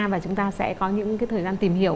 và chúng ta sẽ có những thời gian tìm hiểu